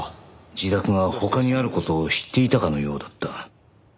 自宅が他にある事を知っていたかのようだった。